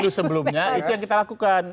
terkumpul itu yang kita lakukan